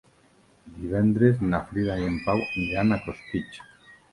Divendres na Frida i en Pau aniran a Costitx.